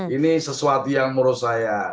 ini sesuatu yang menurut saya